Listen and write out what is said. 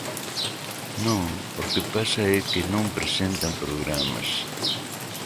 Non, o que pasa é que non presentan programas.